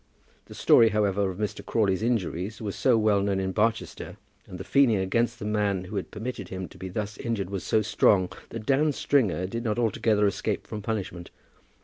The story, however, of Mr. Crawley's injuries was so well known in Barchester, and the feeling against the man who had permitted him to be thus injured was so strong, that Dan Stringer did not altogether escape without punishment.